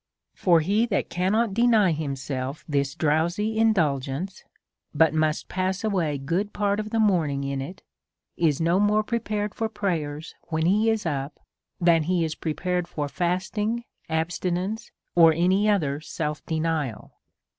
For he that can not deny himself this drowsy indulgence, but must pass away good part of the morning in it, is no more prepared for prayer when he is up than he is prepared for fasting, abstinence, or any other self denial.